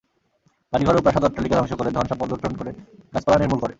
বাড়িঘর ও প্রাসাদ-অট্টালিকা ধ্বংস করে, ধন-সম্পদ লুণ্ঠন করে এবং গাছপালা নির্মূল করে।